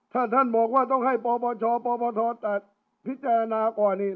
ถ้าท่านบอกว่าต้องให้ปปชปปทพิจารณาก่อนนี่